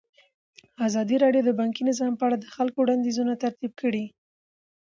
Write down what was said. ازادي راډیو د بانکي نظام په اړه د خلکو وړاندیزونه ترتیب کړي.